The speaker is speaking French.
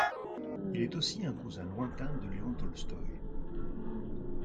Il est aussi un cousin lointain de Léon Tolstoï.